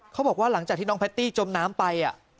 เขาบอกว่าหลังจากที่น้องแพตตี้จมน้ำไป